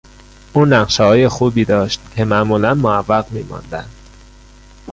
او نقشههای خوبی داشت که معمولا معوق میماندند.